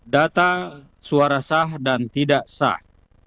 data suara sah dan tidak sah